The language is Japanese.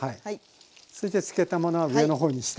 そしてつけたものは上の方にして。